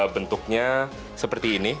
bentuknya seperti ini